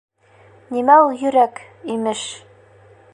Нимә ул «йөрәк», имеш?